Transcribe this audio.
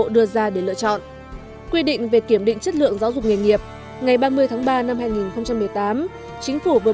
đây là quy định của bộ tài chính tại thông tư số ba mươi bốn hai nghìn một mươi tám tt btc